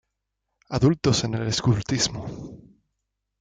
Adultos en el escultismo.